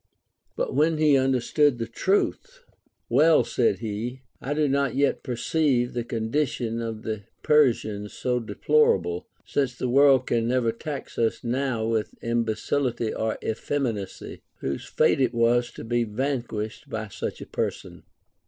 But when he understood the truth, " Well," said he, "• I do not yet perceive the condition of the Persians so deplorable, since the world can never tax us now with imbecility or effeminacy, Avhose fate it was to be vanquished by such a person.